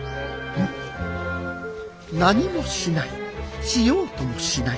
何もしないしようともしない。